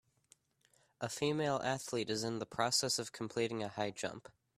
A female athlete is in the process of completing a high jump.